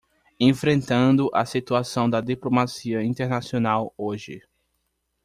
Enfrentando a situação da diplomacia internacional hoje